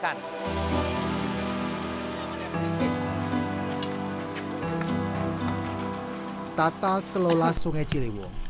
suparno berkolaborasi dengan komunitas dan relawan sungai cilewung